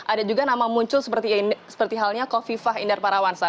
ada juga nama muncul seperti halnya kofifah indar parawansa